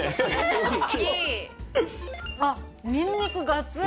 あっ、ニンニクがつん。